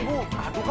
aku mau kesana